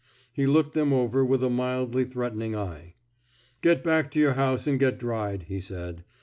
He looked them over with a mildly threatening eye. Get back to your house an' get dried," he said.